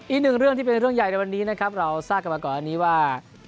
อีกหนึ่งเรื่องที่เป็นเรื่องใหญ่ในวันนี้นะครับเราทราบกันมาก่อนอันนี้ว่า